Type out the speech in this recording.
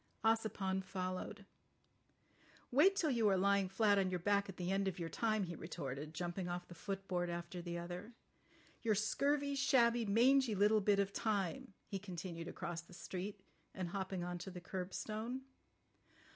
Ossipon followed. "Wait till you are lying flat on your back at the end of your time," he retorted, jumping off the footboard after the other. "Your scurvy, shabby, mangy little bit of time," he continued across the street, and hopping on to the curbstone.